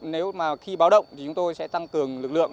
nếu mà khi báo động thì chúng tôi sẽ tăng cường lực lượng